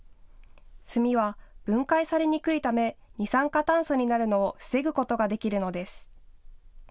炭は分解されにくいため二酸化炭素になるのを防ぐことができるのです。